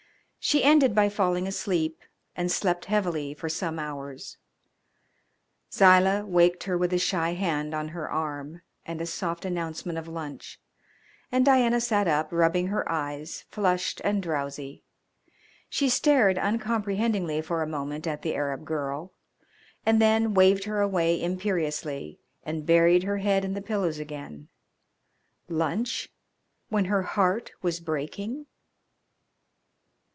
She ended by falling asleep and slept heavily for some hours. Zilah waked her with a shy hand on her arm and a soft announcement of lunch, and Diana sat up, rubbing her eyes, flushed and drowsy. She stared uncomprehendingly for a moment at the Arab girl, and then waved her away imperiously and buried her head in the pillows again. Lunch, when her heart was breaking!